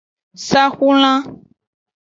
Saxulan.